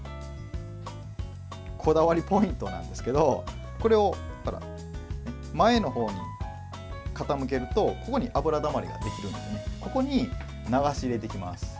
こだわりポイントなんですけどこれを前の方に傾けるとここに油だまりができるのでここに流し入れていきます。